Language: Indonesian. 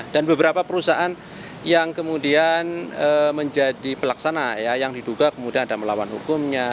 dan beberapa perusahaan yang kemudian menjadi pelaksana yang diduga kemudian ada melawan hukumnya